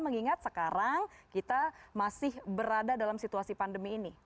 mengingat sekarang kita masih berada dalam situasi pandemi ini